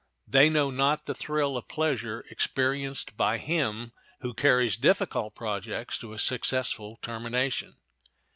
They know not the thrill of pleasure experienced by him who carries difficult projects to a successful termination.